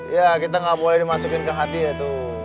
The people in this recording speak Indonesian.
ya kita gak boleh dimasukin ke hati ya tuh